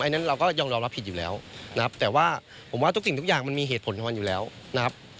นั้นเราก็ยอมรับผิดอยู่แล้วนะครับแต่ว่าผมว่าทุกสิ่งทุกอย่างมันมีเหตุผลของมันอยู่แล้วนะครับ